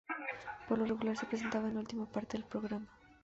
Por lo regular, se presentaba en la última parte del programa.